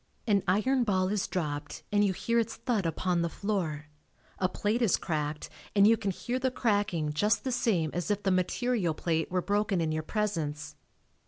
An iron ball is dropped and you hear its thud upon the floor, a plate is cracked and you can hear the cracking just the same as if the material plate were broken in your presence.